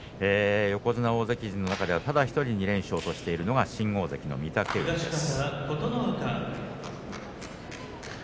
横綱大関陣の中ではただ１人２連勝としているのは新大関の御嶽海です。